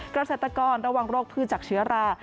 กระเศรษฐกรระวังโรคพืชจากเชื้อรา